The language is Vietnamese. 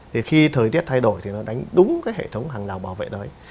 thì khi thời tiết thay đổi thì nó đánh đúng cái hệ thống hàng rào bảo vệ đấy